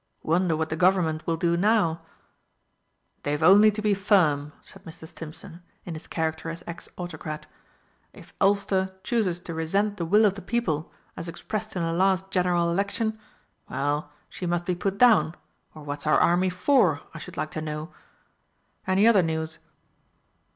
Wonder what the Government will do now." "They've only to be firm," said Mr. Stimpson, in his character as ex autocrat. "If Ulster chooses to resent the will of the People as expressed in the last General Election, well, she must be put down, or what's our Army for, I should like to know. Any other news?"